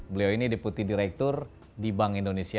beliau ini deputi direktur di bank indonesia